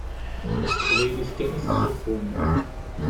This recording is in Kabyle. S teqbaylit kan i tettzuxxum.